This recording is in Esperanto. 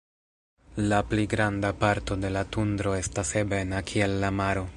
La pli granda parto de la tundro estas ebena kiel la maro.